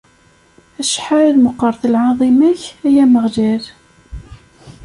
Acḥal meqqret lɛaḍima-k, a Ameɣlal!